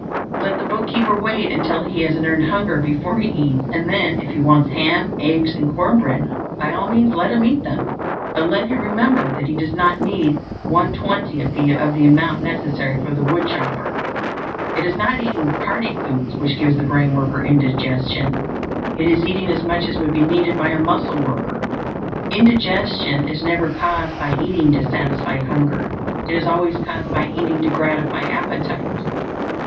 Let the bookkeeper wait until he has an earned hunger before he eats; and then, if he wants ham, eggs, and corn bread, by all means let him eat them; but let him remember that he does not need one twentieth of the amount necessary for the woodchopper. It is not eating "hearty" foods which gives the brain worker indigestion; it is eating as much as would be needed by a muscle worker. Indigestion is never caused by eating to satisfy hunger; it is always caused by eating to gratify appetite.